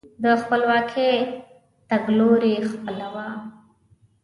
د خپلواکۍ تګلوري خپله وه.